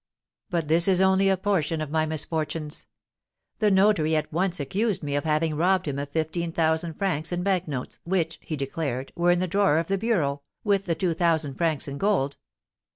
But this is only a portion of my misfortunes. The notary at once accused me of having robbed him of fifteen thousand francs in bank notes, which, he declared, were in the drawer of the bureau, with the two thousand francs in gold.